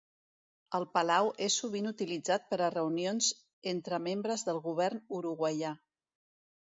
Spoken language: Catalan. El palau és sovint utilitzat per a reunions entre membres del govern uruguaià.